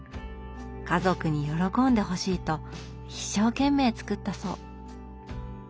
家族に喜んでほしいと一生懸命作ったそう。